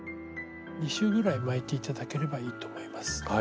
２周ぐらい巻いて頂ければいいと思います。